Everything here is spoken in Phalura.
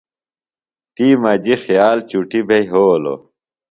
تی مجی خیال چِٹی بھے یھولو۔